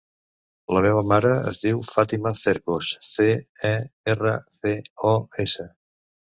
La meva mare es diu Fàtima Cercos: ce, e, erra, ce, o, essa.